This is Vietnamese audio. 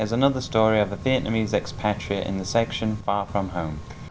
tiếp theo chương trình kính mời quý vị đến với tiểu mục chuyện xa xứ